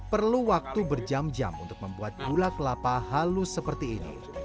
perlu waktu berjam jam untuk membuat gula kelapa halus seperti ini